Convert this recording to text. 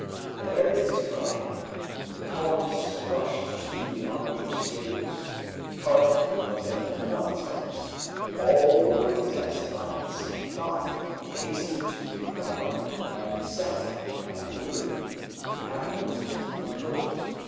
At Ayrton's cry the colonists rushed to the onagers' stables. The cart was at once harnessed. All were possessed by the same thought to hasten to the corral and set at liberty the animals it enclosed.